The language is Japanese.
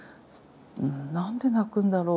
何で泣くんだろう？